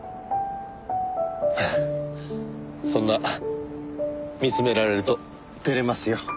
そんな見つめられると照れますよ。